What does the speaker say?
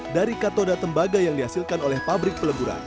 dari katoda tembaga yang dihasilkan oleh pabrik peleburan